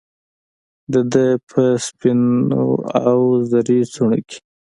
دده په سپینواوزري څڼوکې